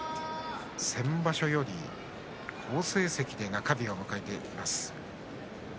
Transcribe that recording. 先場所より好成績で中日を迎えてきました。